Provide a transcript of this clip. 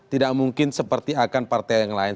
tidak mungkin seperti akan partai yang lain